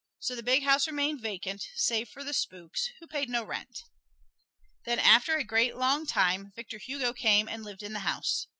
So the big house remained vacant save for the spooks, who paid no rent. Then after a great, long time Victor Hugo came and lived in the house.